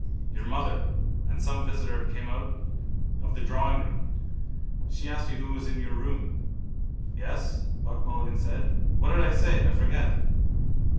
Your mother and some visitor came out of the drawingroom. She asked you who was in your room. —Yes? Buck Mulligan said. What did I say? I forget.